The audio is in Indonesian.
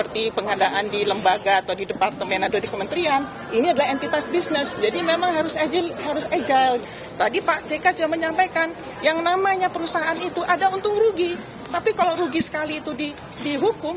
tadi pak jk juga menyampaikan yang namanya perusahaan itu ada untung rugi tapi kalau rugi sekali itu dihukum